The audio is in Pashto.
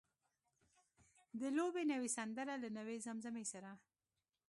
د لوبې نوې سندره له نوې زمزمې سره.